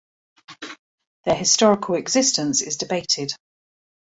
Their historical existence is debated.